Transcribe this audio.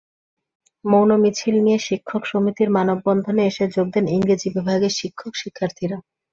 মৌন মিছিল নিয়ে শিক্ষক সমিতির মানববন্ধনে এসে যোগ দেন ইংরেজি বিভাগের শিক্ষক-শিক্ষার্থীরা।